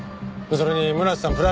それに村瀬さん